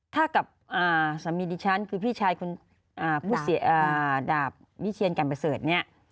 ถ้ากับสามีดิฉันคือพี่ชายดาบวิเชียนกันประเสริฐเนี่ย